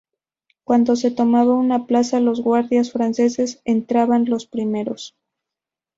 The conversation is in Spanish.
Cuando se tomaba una plaza, los guardias franceses entraban los primeros.